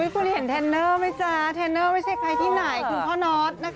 คุณเห็นเทรนเนอร์ไหมจ๊ะเทรนเนอร์ไม่ใช่ใครที่ไหนคุณพ่อน็อตนะคะ